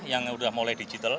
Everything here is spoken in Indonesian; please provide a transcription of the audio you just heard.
yang sudah mulai digital